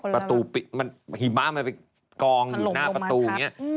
ประตูหิมะมันไปกองอยู่หน้าประตูอย่างนี้